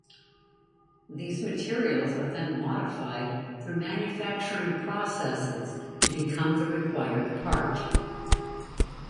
These materials are then modified through manufacturing processes to become the required part.